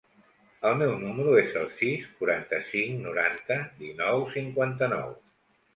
El meu número es el sis, quaranta-cinc, noranta, dinou, cinquanta-nou.